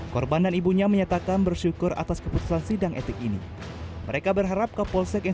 korban dan ibunya menyatakan bersyukur atas keputusan sidang etik ini mereka berharap kapolsek yang